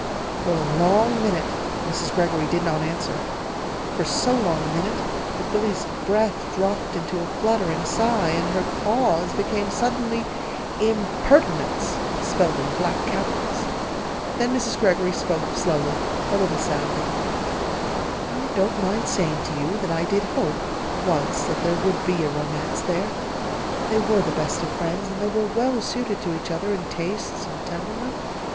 For a long minute Mrs. Greggory did not answer for so long a minute that Billy's breath dropped into a fluttering sigh, and her Cause became suddenly "IMPERTINENCE" spelled in black capitals. Then Mrs. Greggory spoke slowly, a little sadly. "I don't mind saying to you that I did hope, once, that there would be a romance there. They were the best of friends, and they were well suited to each other in tastes and temperament.